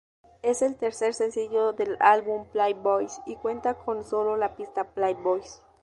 Es el tercer sencillo del álbum "Playboys", y cuenta con sólo la pista "Playboys".